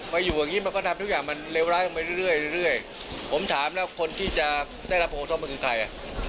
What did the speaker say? อยู่อย่างงี้มันก็ทำทุกอย่างมันเลวร้ายลงไปเรื่อยเรื่อยผมถามแล้วคนที่จะได้รับผลกระทบมันคือใครอ่ะ